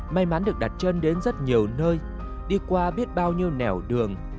may mắn được đặt chân đến rất nhiều nơi đi qua biết bao nhiêu nẻo đường